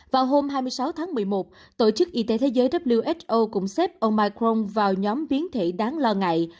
vào hôm hai mươi sáu tháng một mươi một tổ chức y tế thế giới cũng xếp omicron vào nhóm biến thể đáng lo ngại